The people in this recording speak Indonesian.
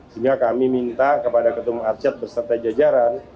sehingga kami minta kepada ketua umum arsyad berserta jajaran